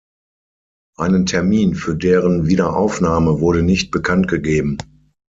Einen Termin für deren Wiederaufnahme wurde nicht bekanntgegeben.